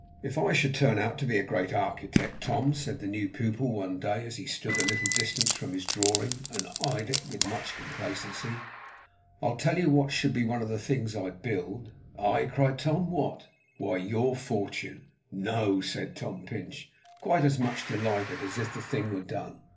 'If I should turn out a great architect, Tom,' said the new pupil one day, as he stood at a little distance from his drawing, and eyed it with much complacency, 'I'll tell you what should be one of the things I'd build.' 'Aye!' cried Tom. 'What?' 'Why, your fortune.' 'No!' said Tom Pinch, quite as much delighted as if the thing were done.